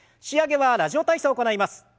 仕上げは「ラジオ体操」を行います。